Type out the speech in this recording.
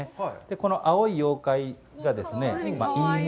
この青い妖怪が、いいね！